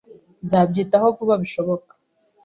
Nzabyitaho vuba bishoboka.